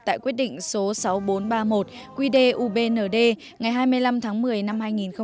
tại quyết định số sáu nghìn bốn trăm ba mươi một quy đê ubnd ngày hai mươi năm tháng một mươi năm hai nghìn một mươi ba